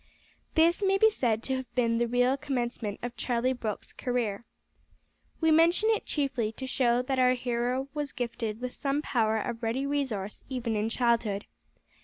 This may be said to have been the real commencement of Charlie Brooke's career. We mention it chiefly to show that our hero was gifted with some power of ready resource even in childhood.